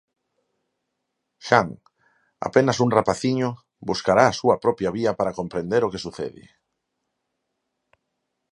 Jan, apenas un rapaciño, buscará a súa propia vía para comprender o que sucede.